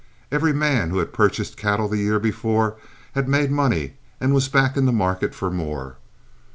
Every man who had purchased cattle the year before had made money and was back in the market for more.